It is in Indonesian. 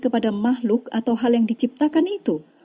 kepada makhluk atau hal yang diciptakan itu